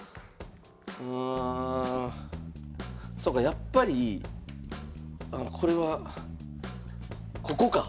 やっぱりこれはここか。